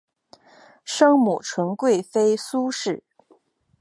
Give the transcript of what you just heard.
生母纯贵妃苏氏。